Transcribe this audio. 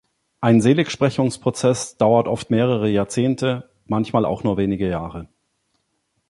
Ein Seligsprechungsprozess dauert oft mehrere Jahrzehnte, manchmal auch nur wenige Jahre.